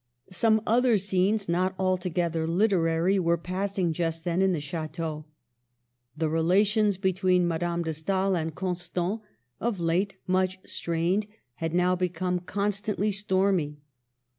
Some other scenes not altogether literary were passing just then in the Ch&teau. The relations between Madame de Stael and Constant, of late much strained, had now become constantly stormy.